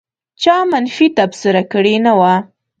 چا منفي تبصره کړې نه وه.